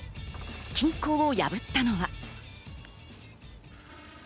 均衡を破ったのは。